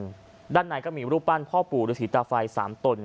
ซึ่งด้านในก็มีรูปั่นพ่าปู่หรือสีตาไฟ๓ตน